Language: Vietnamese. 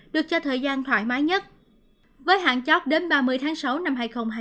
được cho thời gian thoải mái nhất với hạn chót đến ba mươi tháng sáu năm hai nghìn hai mươi